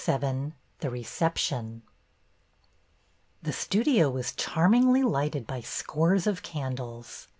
XXVII THE RECEPTION T he studio was charmingly lighted by scores of candles.